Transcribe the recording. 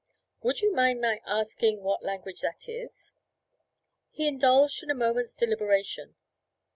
'Would you mind my asking what that language is?' He indulged in a moment's deliberation.